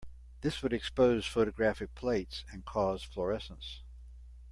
This would expose photographic plates and cause fluorescence.